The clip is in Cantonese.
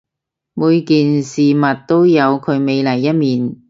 每件事物都有佢美麗一面